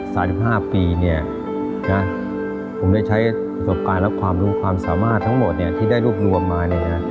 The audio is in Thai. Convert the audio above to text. สำหรับการรับความรู้ทุ่มสามารถทั้งหมดที่ได้รูปรวมมา